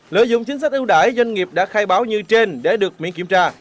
lợi dụng chính sách ưu đãi doanh nghiệp đã khai báo như trên để được miễn kiểm tra